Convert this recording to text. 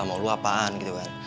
mau lu apaan gitu kan